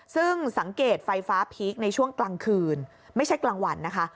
ซึ่งสังเกตไฟฟ้าพีคในช่วงกลางคืนไม่ใช่กลางวันนะคะ